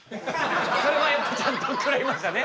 それはやっぱちゃんと怒られましたね。